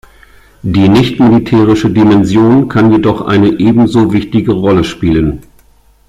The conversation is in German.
Die nichtmilitärische Dimension kann jedoch eine ebenso wichtige Rolle spielen.